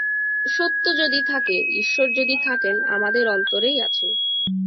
সত্য যদি থাকে, ঈশ্বর যদি থাকেন, আমাদের অন্তরেই আছেন।